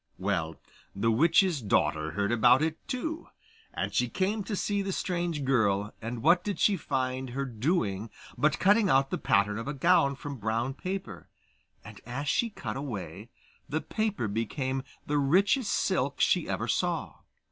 Well, the witch's daughter heard about it too, and she came to see the strange girl; and what did she find her doing but cutting out the pattern of a gown from brown paper; and as she cut away, the paper became the richest silk she ever saw.